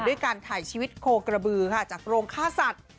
ด้วยการไถ่ชีวิตโคระบื้อจากโรงค่าสัตว์